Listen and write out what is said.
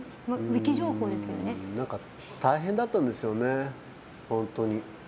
大変だったんですよね、本当に。